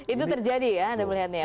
itu terjadi ya anda melihatnya ya